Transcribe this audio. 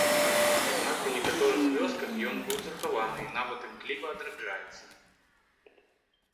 Аднак у некаторых вёсках ён быў захаваны і нават імкліва адраджаецца.